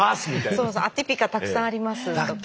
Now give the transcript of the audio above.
そうそうアティピカたくさんありますとか。